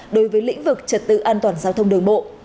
đối với lĩnh vực trật tự an toàn giao thông đường bộ